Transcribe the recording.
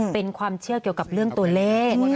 เป็นความเชื่อเกี่ยวกับเรื่องตัวเลข